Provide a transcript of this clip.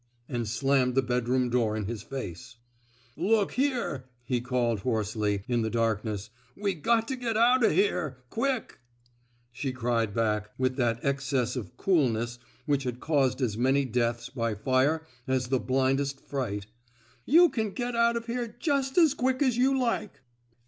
'^ and slammed the bedroom door in his face. Look here,'* he called, hoarsely, in the darkness, we got to get out o' here — quick.*' She cried back, — with that excess of cool ness which has caused as many deaths by fire as the blindest fright, —You can get out of here just as quick as you like.